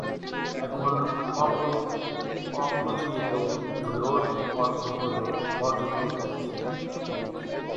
এখন-অপ্রচলিত "lode" অর্থ হল "পর্যটন, পথ"।